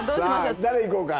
さあ誰いこうか。